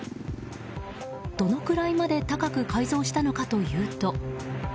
どのくらいまで高く改造したのかというと。